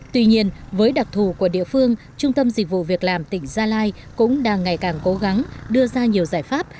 tuy nhiên với đặc thù của địa phương trung tâm dịch vụ việc làm tỉnh gia lai cũng đang ngày càng cố gắng đưa ra nhiều giải pháp